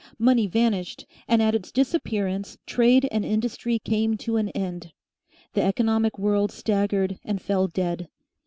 Money vanished, and at its disappearance trade and industry came to an end. The economic world staggered and fell dead.